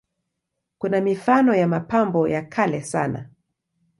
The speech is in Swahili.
Kuna mifano ya mapambo ya kale sana.